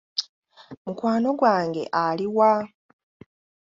Mukwano gwange ali wa ?